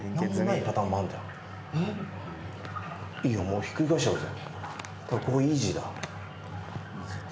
いいよもうひっくり返しちゃおうぜ。